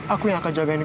aku yang akan jagain